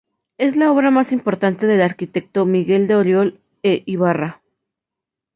Es la obra más importante del arquitecto Miguel de Oriol e Ybarra.